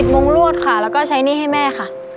งงรวดค่ะแล้วก็ใช้หนี้ให้แม่ค่ะ